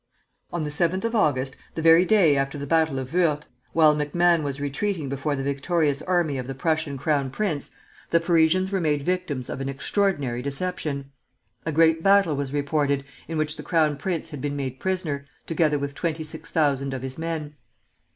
On the 7th of August, the very day after the battle of Worth, while MacMahon was retreating before the victorious army of the Prussian Crown Prince, the Parisians were made victims of an extraordinary deception. A great battle was reported, in which the Crown Prince had been made prisoner, together with twenty six thousand of his men.